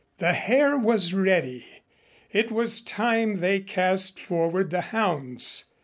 The hare was ready. It was time they cast forward the hounds.